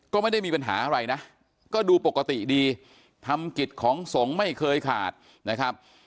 ก็ไม่ได้มีปัญหาอะไรนะก็ดูปกติดีทำกิจของสงฆ์ไม่เคยขาดนะครับ